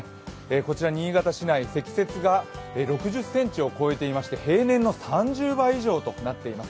こちら新潟市内、積雪が６０ｃｍを超えていまして平年の３０倍以上となっています。